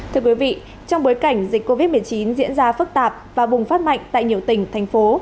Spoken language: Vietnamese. thưa quý vị trong bối cảnh dịch covid một mươi chín diễn ra phức tạp và bùng phát mạnh tại nhiều tỉnh thành phố